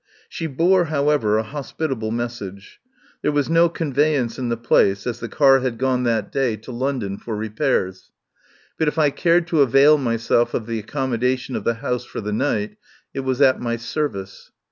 She bore, however, a hospitable message. There was no convey ance in the place, as the car had gone that day 60 TELLS OF A MIDSUMMER NIGHT to London for repairs. But if I cared to avail myself of the accommodation of the house for the night it was at my service.